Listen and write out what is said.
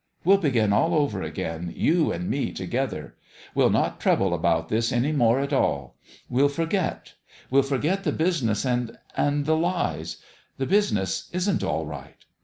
We'll begin all over again you and me to gether. We'll not trouble about this any more at all. We'll forget. We'll forget the business and and the lies. The business isn't all right.